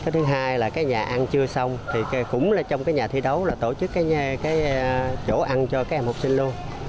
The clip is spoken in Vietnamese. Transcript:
thứ hai là nhà ăn chưa xong thì cũng trong nhà thi đấu tổ chức chỗ ăn cho các em học sinh luôn